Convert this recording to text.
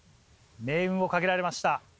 命運を懸けられました